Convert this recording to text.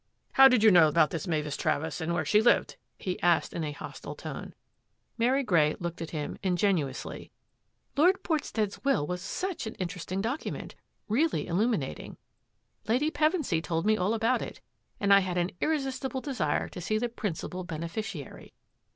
" How did you know about this Mavis Travers and where she lived? " he asked in a hostile tone. Mary Grey looked at him ingenuously. " Lord Portstead's will was siLch an interesting document, really illuminating — Lady Pevensy told me all about it, and I had an irresistible de sire to see the principal beneficiary."